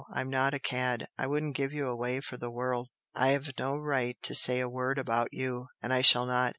I'm not a cad. I wouldn't give you away for the world! I've no right to say a word about you, and I shall not.